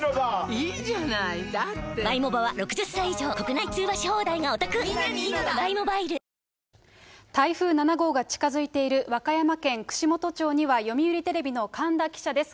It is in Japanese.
いいじゃないだって台風７号が近づいている、和歌山県串本町には、読売テレビの神田記者です。